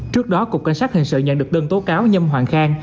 trước đó cục cảnh sát hình sự nhận được đơn tố cáo nhâm hoàng khang